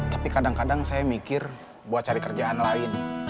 tapi kadang kadang saya mikir buat cari kerjaan lain